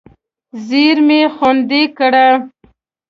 زېرمې خوندي کړه.